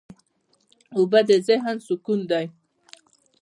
اوبه د ذهن سکون دي.